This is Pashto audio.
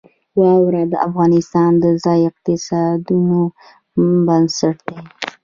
واوره د افغانستان د ځایي اقتصادونو بنسټ دی.